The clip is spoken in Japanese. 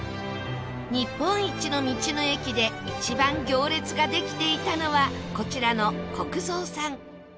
日本一の道の駅で一番行列ができていたのはこちらの虚空蔵さん